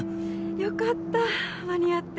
良かった間に合って。